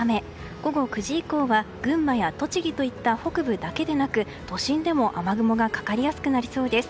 午後９時以降は群馬や栃木といった北部だけでなく都心でも雨雲がかかりやすくなりそうです。